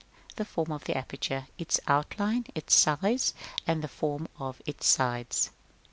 The form of the aperture, i.e., its outline, its size, and the forms of its sides.